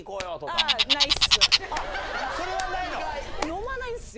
それはないの？